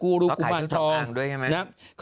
กูรูกุมารทองไงเถอะ